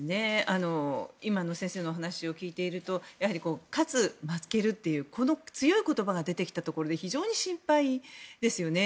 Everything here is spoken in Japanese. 今の先生のお話を聞いていると勝つ、負けるという強い言葉が出てきたところが非常に心配ですよね。